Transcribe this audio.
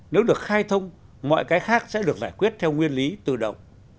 nếu được khai thông mọi cái khác sẽ được giải quyết theo nguyên lý tự động